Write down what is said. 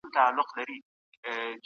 ایا بهرني سوداګر وچه الوچه پروسس کوي؟